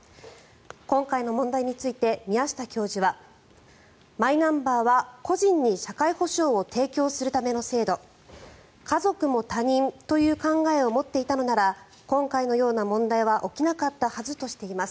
今回の問題について宮下教授はマイナンバーは個人に社会保障を提供するための制度家族も他人という考えを持っていたのなら今回のような問題は起きなかったはずとしています。